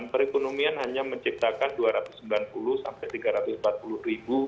dan perekonomian hanya menciptakan dua ratus sembilan puluh sampai tiga ratus empat puluh ribu